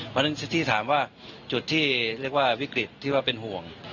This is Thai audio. เพราะฉะนั้นที่ถามว่าจุดที่เรียกว่าวิกฤตที่ว่าเป็นห่วง